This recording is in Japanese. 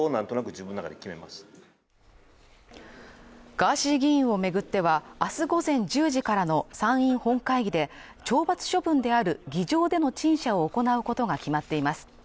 ガーシー議員を巡っては、あす午前１０時からの参院本会議で懲罰処分である議場での陳謝を行うことが決まっています。